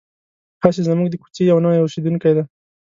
هسې زموږ د کوڅې یو نوی اوسېدونکی دی.